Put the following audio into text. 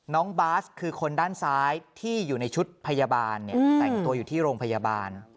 น้องบาสคือคนด้านซ้ายที่อยู่ในชุดพยาบาลแต่งตัวอยู่ที่โรงพยาบาล